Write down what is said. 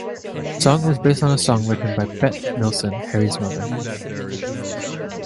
This song is based on a song written by Bette Nilsson, Harry's mother.